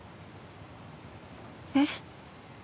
えっ？